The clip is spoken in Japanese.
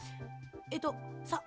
えっとさっ